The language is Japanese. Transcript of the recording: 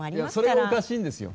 それが、おかしいんですよ。